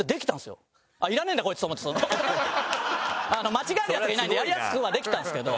間違えるヤツがいないのでやりやすくはできたんですけど。